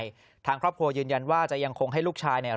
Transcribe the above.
แล้วจะเอายังไงทางครอบครัวยืนยันว่าจะยังคงให้ลูกชายเนี่ย